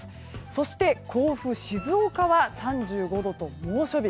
そして甲府、静岡は３５度と猛暑日。